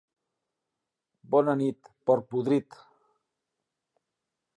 Bona nit, porc podrit!